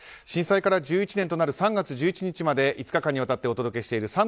震災から１１年となる３月１１日まで５日間にわたってお届けしている